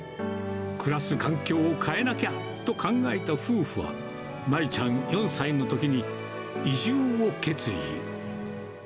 暮らす環境を変えなきゃと考えた夫婦は、まゆちゃん４歳のときに移住を決意。